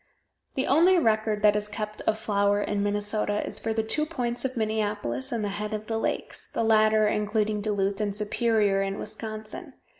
The only record that is kept of flour in Minnesota is for the two points of Minneapolis and the head of the lakes; the latter including Duluth, and Superior, in Wisconsin.